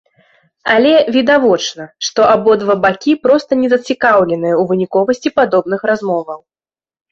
Але, відавочна, што абодва бакі проста не зацікаўленыя ў выніковасці падобных размоваў.